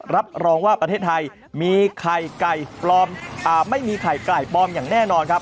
รับรองว่าประเทศไทยมีไข่ไก่ปลอมไม่มีไข่ไก่ปลอมอย่างแน่นอนครับ